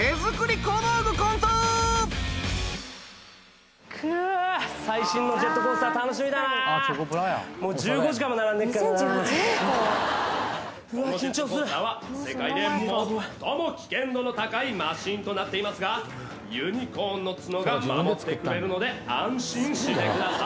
・このジェットコースターは世界で最も危険度の高いマシンとなっていますがユニコーンの角が守ってくれるので安心してください。